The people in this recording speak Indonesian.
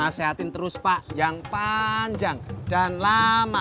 nasehatin terus pak yang panjang dan lama